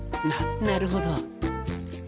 ななるほど。